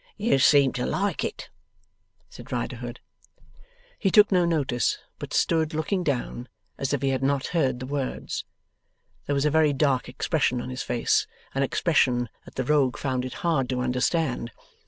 'You seem to like it,' said Riderhood. He took no notice, but stood looking down, as if he had not heard the words. There was a very dark expression on his face; an expression that the Rogue found it hard to understand.